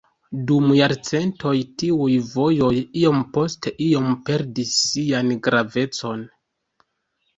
Dum jarcentoj tiuj vojoj iom post iom perdis sian gravecon.